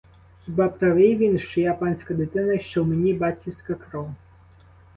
Хіба правий він, що я панська дитина й що в мені батьківська кров?